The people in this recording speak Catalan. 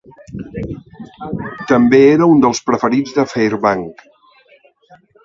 També era un dels preferits de Fairbank.